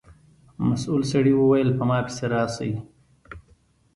مسؤل سړي و ویل په ما پسې راشئ.